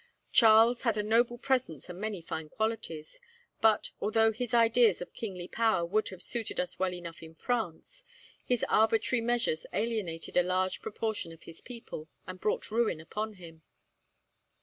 Charles had a noble presence and many fine qualities. But, although his ideas of kingly power would have suited us well enough in France, his arbitrary measures alienated a large proportion of his people, and brought ruin upon him.